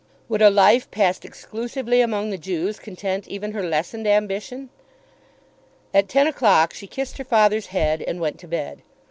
Would a life passed exclusively among the Jews content even her lessened ambition? At ten o'clock she kissed her father's head and went to bed.